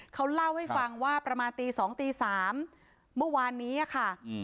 เขาเล่าให้ฟังว่าประมาณตี๒ตี๓เมื่อวานนี้ค่ะ